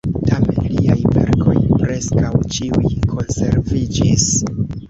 Tamen liaj verkoj preskaŭ ĉiuj konserviĝis.